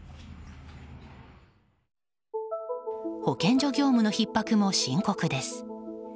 保健所業務のひっ迫も深刻です。